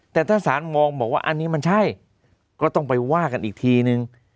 แต่ถ้าสารมองบอกว่าอันนี้มันใช่ก็ต้องไปว่ากันอีกทีนึง